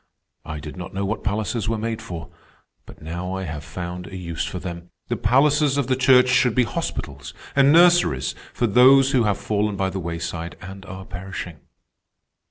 "I did not know what palaces were made for, but now I have found a use for them. The palaces of the Church should be hospitals and nurseries for those who have fallen by the wayside and are perishing."